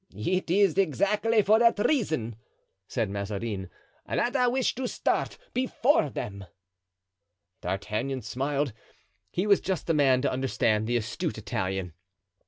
"It is exactly for that reason," said Mazarin, "that I wish to start before them." D'Artagnan smiled—he was just the man to understand the astute Italian.